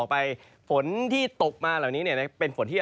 พร้อมลงละ